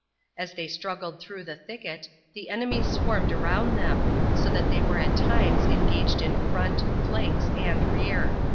As they struggled through the thicket the enemy swarmed around them, so that they were at times engaged in front, flanks, and rear.